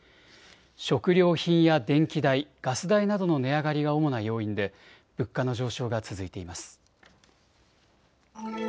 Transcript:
食料品や電気代、ガス代などの値上がりが主な要因で物価の上昇が続いています。